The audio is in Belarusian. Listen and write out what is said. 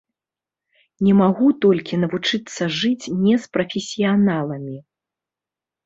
Не магу толькі навучыцца жыць не з прафесіяналамі.